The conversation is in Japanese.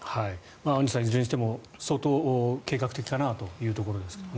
アンジュさんいずれにしても相当計画的だなと思いますね。